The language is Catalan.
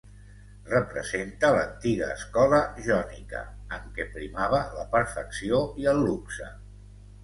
Representa l'antiga escola jònica, en què primava la perfecció i el luxe.